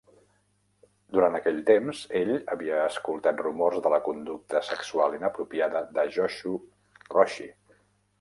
Durant aquell temps, ell havia escoltat rumors de la conducta sexual inapropiada de Joshu Roshi.